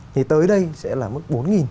thì tới đây sẽ là mức bốn